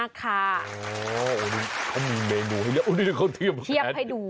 โอ้โหเขามีเมนูให้ดูโอ้โหนี่มีข้างที่เชียบให้ดู